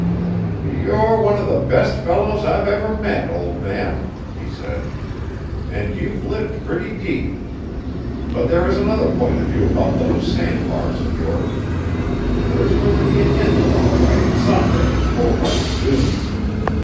"You're one of the best fellows I've ever met, old man!" he said, "and you've lived pretty deep; but there is another point of view about those sand bars of yours. There is going to be an inlet all right, some day, over on the dunes!